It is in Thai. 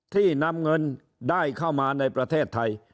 นำเงินได้เข้ามาในประเทศไทย